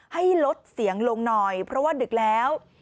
ให้ลดเสียงลงหน่อยเพราะว่าดึกแล้ว